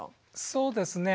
そうですね。